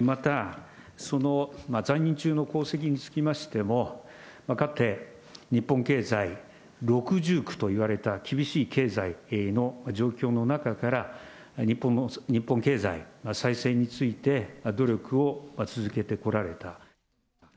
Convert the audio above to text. また、その在任中の功績につきましても、かつて日本経済６重苦といわれた厳しい経済の状況の中から、日本経済再生について努力を続けてこられた。